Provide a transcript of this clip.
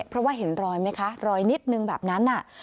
เพราะว่าเห็นรอยไหมคะรอยนิดนึงแบบนั้น